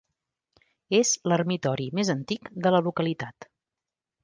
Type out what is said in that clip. És l'ermitori més antic de la localitat.